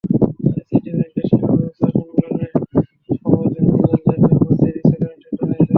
City ব্যাংকের শাখা ব্যবস্থাপক সম্মেলন সম্প্রতি হবিগঞ্জের দ্য প্যালেস রিসোর্টে অনুষ্ঠিত হয়েছে।